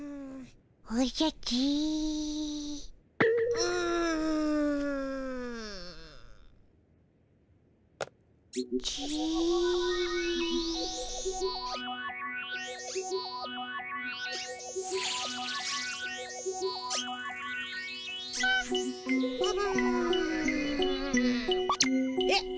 うん。えっ？